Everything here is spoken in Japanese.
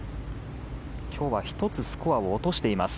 今日は１つスコアを落としています。